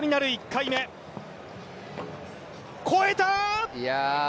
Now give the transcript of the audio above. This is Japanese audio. １回目、超えた！